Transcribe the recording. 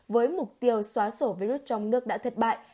với mục tiêu xóa sổ virus trong nước đã thất bại